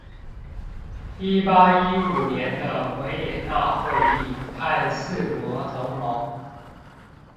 一八一五年的維也納會議和四國同盟